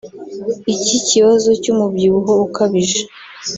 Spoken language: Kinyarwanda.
Iki kibazo cy’umubyibuho ukabije